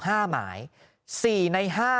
หมาย๔ใน๕